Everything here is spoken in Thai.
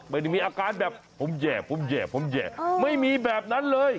ไม่ได้มีอาการแบบผมแย่ไม่มีแบบนั้นเลย